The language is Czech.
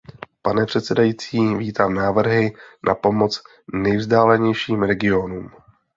Pane předsedající, vítám návrhy na pomoc nejvzdálenějším regionům.